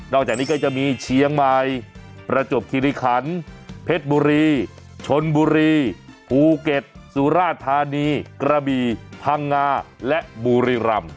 จากนี้ก็จะมีเชียงใหม่ประจวบคิริขันเพชรบุรีชนบุรีภูเก็ตสุราธานีกระบี่พังงาและบุรีรำ